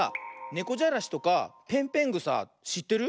ねこじゃらしとかぺんぺんぐさしってる？